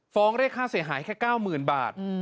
ฟ้องสินค้าเสียหายแค่๙๐๐๐๐บาท